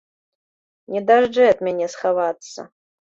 Не дажджэ ад мяне схавацца!